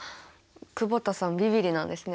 久保田さんビビリなんですね。